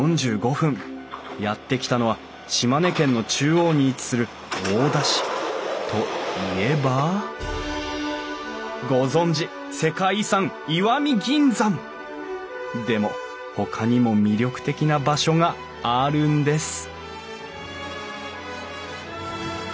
やって来たのは島根県の中央に位置する大田市。といえばご存じ世界遺産石見銀山！でもほかにも魅力的な場所があるんです